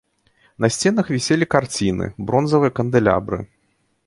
На сценах віселі карціны, бронзавыя кандэлябры.